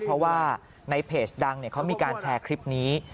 เพราะว่าในเพจดังเขามีการแชร์คลิปนี้